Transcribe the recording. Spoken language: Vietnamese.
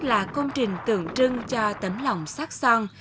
là công trình tượng trưng cho tấm lòng sắc son